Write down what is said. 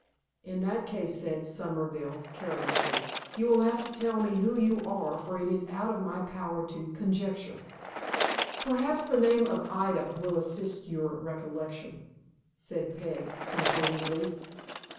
"In that case," said Somerville, carelessly, "you will have to tell me who you are, for it is out of my power to conjecture." "Perhaps the name of Ida will assist your recollection," said Peg, composedly.